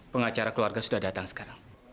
pengacara keluarga sudah datang sekarang